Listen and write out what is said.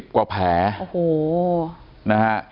๓๐กว่าแผลโอ้โห